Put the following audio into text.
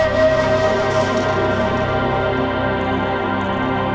perse internal menongak